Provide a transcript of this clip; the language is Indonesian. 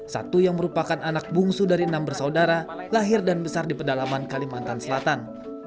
satu yang merupakan anak bungsu dari enam bersaudara lahir dan besar di pedalaman kalimantan selatan